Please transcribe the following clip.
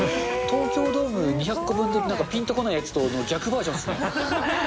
東京ドーム２００個分のぴんとこないやつと逆バージョンですね。